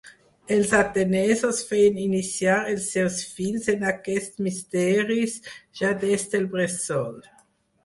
Els atenesos feien iniciar els seus fills en aquests misteris ja des del bressol.